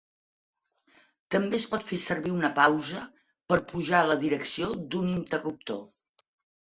També es pot fer servir una pausa per pujar la direcció d'un interruptor.